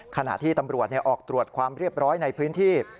ขณะที่ตำรวจออกตรวจความเรียบร้อยในพื้นที่